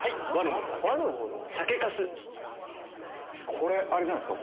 これあれじゃないですか？